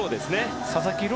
佐々木朗